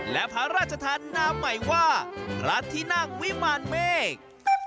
และพระราชทานนามใหม่ว่าพระที่นั่งวิมารเมฆ